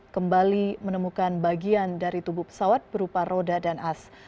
kembali menemukan bagian dari tubuh pesawat berupa roda dan as